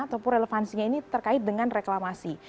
ataupun relevansinya ini terkait dengan reklamasi